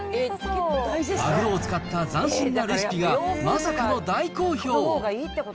マグロを使った斬新なレシピがまさかの大好評。